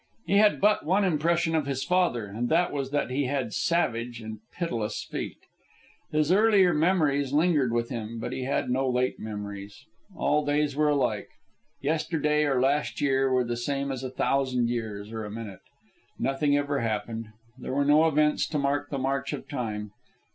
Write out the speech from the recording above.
He had but one impression of his father, and that was that he had savage and pitiless feet. His earlier memories lingered with him, but he had no late memories. All days were alike. Yesterday or last year were the same as a thousand years or a minute. Nothing ever happened. There were no events to mark the march of time.